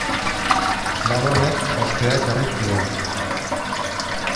Lan honek ospea ekarri zion.